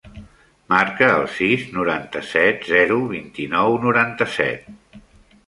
Marca el sis, noranta-set, zero, vint-i-nou, noranta-set.